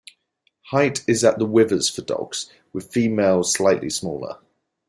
Height is at the withers for dogs, with females slightly smaller.